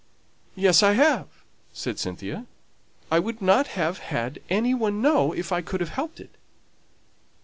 "Yes, I have," said Cynthia; "I would not have had any one know if I could have helped it."